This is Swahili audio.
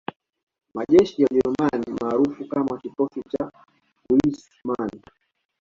Majeshi ya Ujerumani maarufu kama Kikosi cha Wissmann